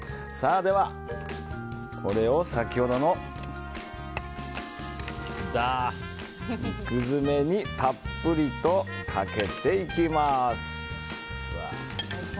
では、これを先ほどの肉詰めにたっぷりとかけていきます。